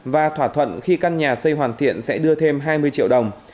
và thỏa thuận khi căn nhà xây hoàn thiện sẽ đưa thêm hai mươi triệu đồng